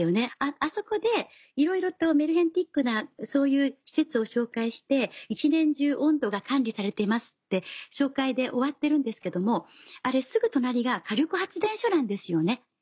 あそこでいろいろとメルヘンチックなそういう施設を紹介して一年中温度が管理されてますって紹介で終わってるんですけどもあれすぐ隣が火力発電所なんですよね。